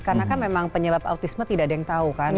karena kan memang penyebab autisme tidak ada yang tahu kan